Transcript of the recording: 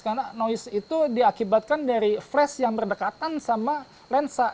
karena noise itu diakibatkan dari flash yang berdekatan sama lensa